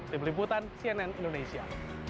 di peliputan cnn indonesia